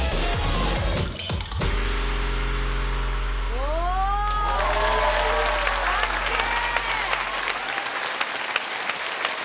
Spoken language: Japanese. お！かっけえ！